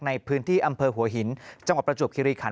ในพื้นที่อำเภอหัวหินจังหวัดประจวบคิริขัน